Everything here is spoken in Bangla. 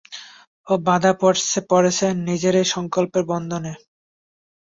ও বাঁধা পড়েছে নিজেরই সংকল্পের বন্ধনে।